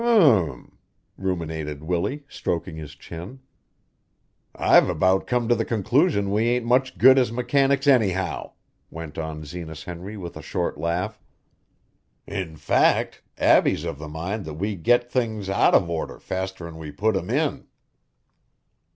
"U m!" ruminated Willie, stroking his chin. "I've about come to the conclusion we ain't much good as mechanics, anyhow," went on Zenas Henry with a short laugh. "In fact, Abbie's of the mind that we get things out of order faster'n we put 'em in."